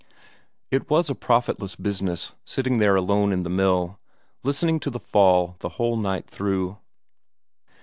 It was a profitless business sitting there alone in the mill, listening to the fall the whole night through.